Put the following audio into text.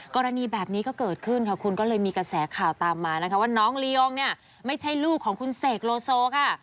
กรณีแบบนี้ก็เกิดขึ้นค่ะคุณก็เลยมีกระแสข่าวตามมานะคะว่าน้องลียองเนี่ยไม่ใช่ลูกของคุณเสกโลโซค่ะ